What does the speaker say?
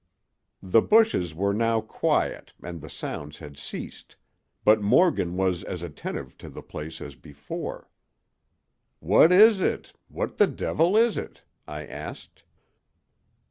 "The bushes were now quiet and the sounds had ceased, but Morgan was as attentive to the place as before. "'What is it? What the devil is it?' I asked.